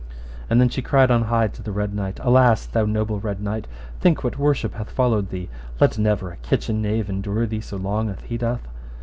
And then she cried on high to the Red Knight, Alas, thou noble Red Knight, think what worship hath followed thee, let never a kitchen knave endure thee so long as he doth.